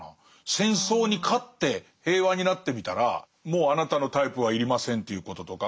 戦争に勝って平和になってみたらもうあなたのタイプは要りませんということとか。